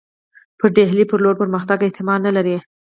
پر ډهلي پر لور پرمختګ احتمال نه لري.